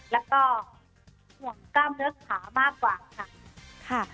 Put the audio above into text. แล้วก็ห่วงกล้ามเนื้อขามากกว่าค่ะ